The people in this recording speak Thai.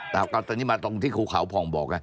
แต่ตอนนี้มาตรงที่ภูเขาผ่องบอกไง